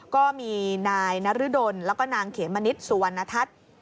ก็มีนายนรดลแล้วก็นางเขมณิษฐ์สุวรรณทัศน์